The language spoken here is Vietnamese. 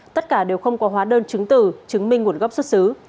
tất cả đều không có hóa đơn chứng từ chứng minh nguồn gốc xuất xứ